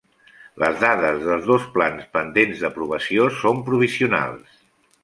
Les dades dels dos plans pendents d'aprovació són provisionals.